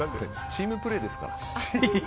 チームプレーですから。